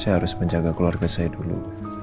saya harus menjaga keluarga saya dulu